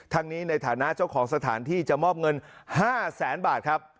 นี้ในฐานะเจ้าของสถานที่จะมอบเงิน๕แสนบาทครับ